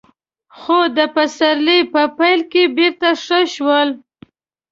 خو د پسرلي په پيل کې بېرته ښه شول.